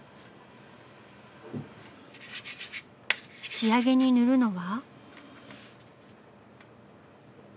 仕上げに塗るのは？